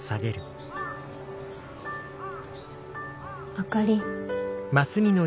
あかり。